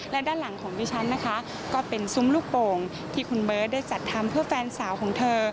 และด้านหลังของดิฉันนะคะก็เป็นซุ้มลูกโป่งที่คุณเบิร์ตได้จัดทำเพื่อแฟนสาวของเธอ